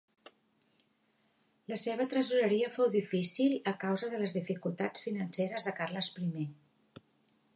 La seva tresoreria fou difícil a causa de les dificultats financeres de Carles I.